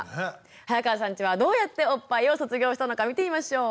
早川さんちはどうやっておっぱいを卒業したのか見てみましょう。